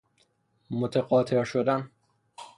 متقاطر شدن